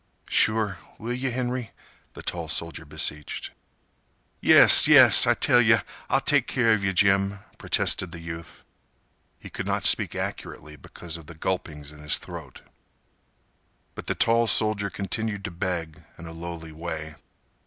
"Sure—will yeh, Henry?" the tall soldier beseeched. "Yes—yes—I tell yeh—I'll take care of yeh, Jim!" protested the youth. He could not speak accurately because of the gulpings in his throat. But the tall soldier continued to beg in a lowly way.